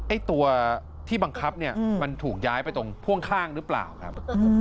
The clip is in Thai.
ไอ้ตัวที่บังคับเนี่ยมันถูกย้ายไปตรงพ่วงข้างหรือเปล่าครับ